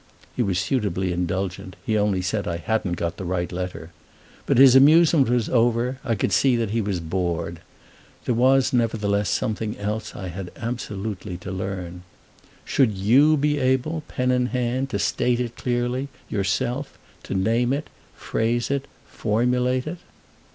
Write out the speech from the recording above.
He was suitably indulgent: he only said I hadn't got the right letter. But his amusement was over; I could see he was bored. There was nevertheless something else I had absolutely to learn. "Should you be able, pen in hand, to state it clearly yourself—to name it, phrase it, formulate it?"